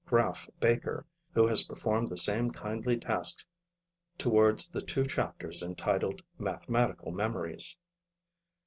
Graff Baker, who has performed the same kindly task towards the two chapters entitled Mathematical Memories.